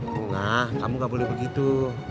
bunga kamu gak boleh begitu